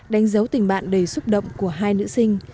đánh dấu tình bạn đầy xúc động của hai nữ sinh